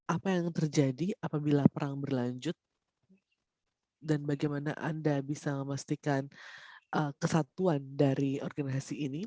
apa yang terjadi apabila perang berlanjut dan bagaimana anda bisa memastikan kesatuan dari organisasi ini